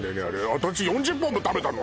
私４０本も食べたの！？